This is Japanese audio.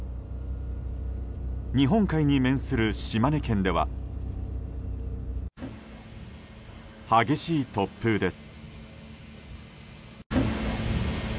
日本海に面する島根県では激しい突風です。